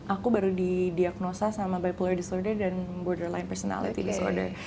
aku baru didiagnosa sama bipolar disorder dan borderline personality disorder